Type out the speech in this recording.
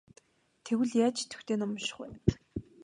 Тэгвэл яаж идэвхтэй ном унших вэ?